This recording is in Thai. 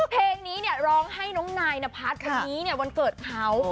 เพลงนี้ร้องให้น้องนายนพัฒน์วันเกิดเขา